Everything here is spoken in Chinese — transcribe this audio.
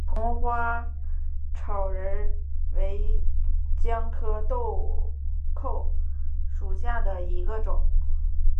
红花砂仁为姜科豆蔻属下的一个种。